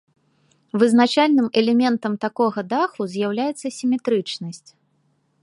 Вызначальным элементам такога даху з'яўляецца сіметрычнасць.